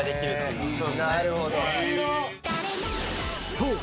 ［そう！